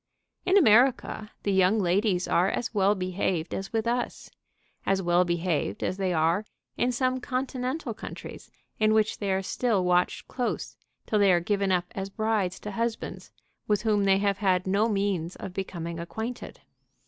In America the young ladies are as well behaved as with us, as well behaved as they are in some Continental countries in which they are still watched close till they are given up as brides to husbands with whom they have had no means of becoming acquainted.